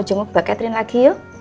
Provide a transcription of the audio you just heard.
janggu mbak catherine lagi yuk